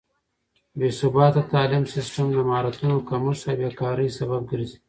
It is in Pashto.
بې ثباته تعليم سيستم د مهارتونو کمښت او بې کارۍ سبب ګرځي.